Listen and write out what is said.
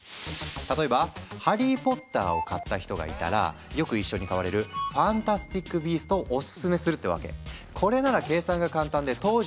例えば「ハリー・ポッター」を買った人がいたらよく一緒に買われる「ファンタスティック・ビースト」をオススメするってわけ。